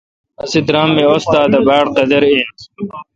اسی درام می استادہ باڑقدر این